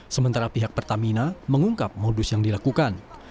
sementara pihak pertamina mengungkap modus yang dilakukan